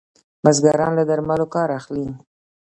بزګران له درملو کار اخلي.